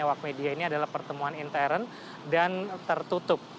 awak media ini adalah pertemuan intern dan tertutup